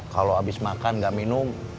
kalau abis makan gak minum